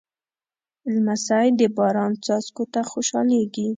لمسی د باران څاڅکو ته خوشحالېږي.